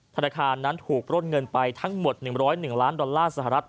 ธนาคารนั้นถูกปล้นเงินไปทั้งหมด๑๐๑ล้านดอลลาร์สหรัฐ